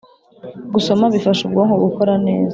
Gusoma bifasha ubwonko gukora neza